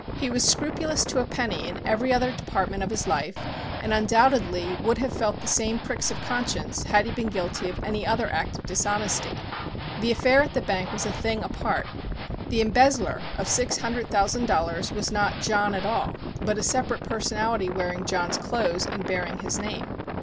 He was scrupulous to a penny in every other department of his life, and undoubtedly would have felt the same pricks of conscience had he been guilty of any other act of dishonesty. The affair at the bank was a thing apart. The embezzler of six hundred thousand dollars was not John at all, but a separate personality wearing John's clothes and bearing his name.